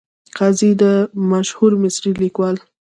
قاضي د مشهور مصري لیکوال .